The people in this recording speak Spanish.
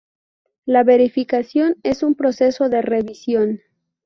La verificación es un proceso de revisión.